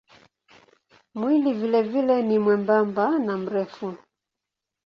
Mwili vilevile ni mwembamba na mrefu.